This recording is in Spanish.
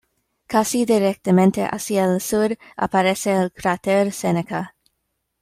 Casi directamente hacia el sur aparece el cráter Seneca.